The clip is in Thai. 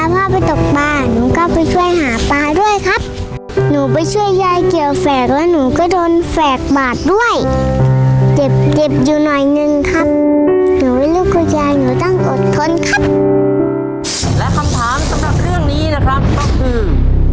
และคำถามสำหรับเรื่องนี้นะครับก็คือ